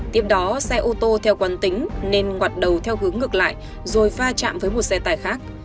tiếp đó xe ô tô theo quan tính nên hoạt đầu theo hướng ngược lại rồi va chạm với một xe tải khác